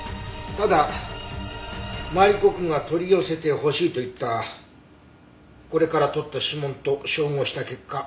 ただマリコくんが取り寄せてほしいと言ったこれから採った指紋と照合した結果。